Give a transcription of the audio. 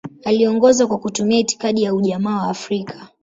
Aliongoza kwa kutumia itikadi ya Ujamaa wa Afrika.